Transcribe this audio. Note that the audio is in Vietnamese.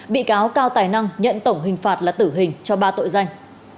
bị cáo cao tài năng nhận tổng hình phạt là tử hình cho ba tội danh